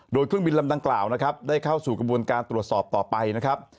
โดยเครื่องบินลำดังกล่าวนะครับได้เข้าสู่กระบวนการตรวจสอบต่อไปนะครับ